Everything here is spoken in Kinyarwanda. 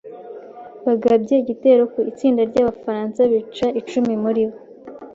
Bagabye igitero ku itsinda ry’Abafaransa bica icumi muri bo.